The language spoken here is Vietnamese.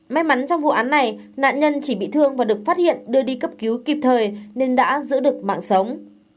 may mắn trong vụ án này nạn nhân chỉ bị thương và được phát hiện đưa đi cấp cứu kịp thời nên đã giữ được mạng sống